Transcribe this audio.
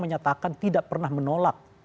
menyatakan tidak pernah menolak